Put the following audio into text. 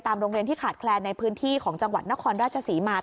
โรงเรียนที่ขาดแคลนในพื้นที่ของจังหวัดนครราชศรีมา